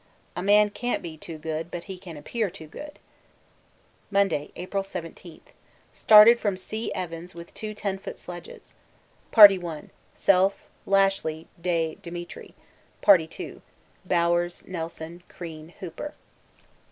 'A man can't be too good, but he can appear too good.' Monday, April 17. Started from C. Evans with two 10 ft. sledges. Party 1. Self, Lashly, Day, Demetri. ,, 2. Bowers, Nelson, Crean, Hooper.